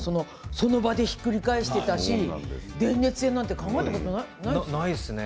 その場でひっくり返していたし電熱線なんて考えたことないですよね。